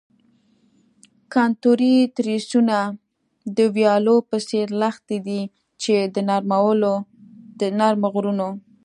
کنتوري تریسونه د ویالو په څیر لښتې دي چې د نرمو غرونو.